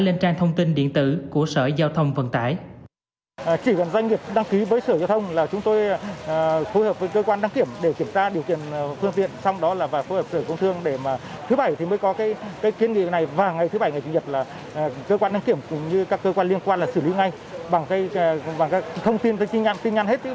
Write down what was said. lên trang thông tin điện tử của sở giao thông vận tải